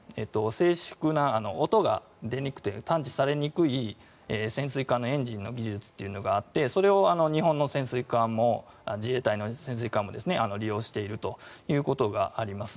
静粛な、音が出にくくて探知されにくい潜水艦のエンジンの技術があってそれを日本の潜水艦自衛隊の潜水艦も利用しているということがあります。